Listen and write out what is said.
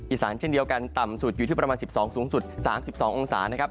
อีสานเช่นเดียวกันต่ำสุดอยู่ที่ประมาณ๑๒สูงสุด๓๒องศานะครับ